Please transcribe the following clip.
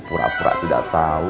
pura pura tidak tau